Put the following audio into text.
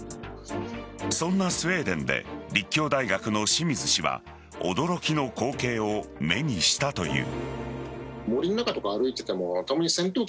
そんなスウェーデンで立教大学の清水氏は驚きの光景を目にしたという。